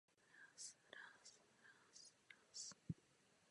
Brzdy měly účinnější posilovač.